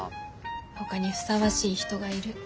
ほかにふさわしい人がいる。